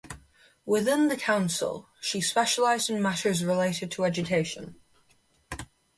Within the Council she specialised in matters related to education.